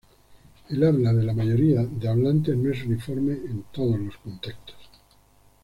El habla de la mayoría de hablantes no es uniforme en todos los contextos.